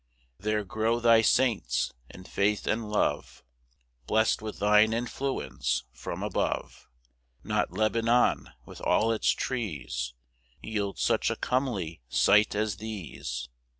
2 There grow thy saints in faith and love, Blest with thine influence from above; Not Lebanon with all its trees Yields such a comely sight as these.